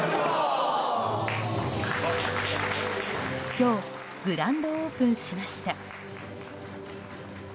今日グランドオープンしました。